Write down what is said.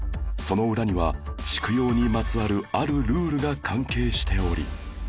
その裏には畜養にまつわるあるルールが関係しており